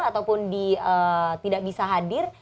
ataupun tidak bisa hadir